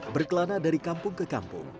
berkelana dari kampung ke kampung